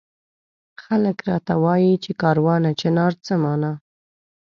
خلک راته وایي چي کاروانه چنار څه مانا؟